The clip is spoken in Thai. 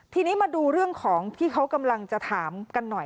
ทีนี้มาดูเรื่องของที่เขากำลังจะถามกันหน่อย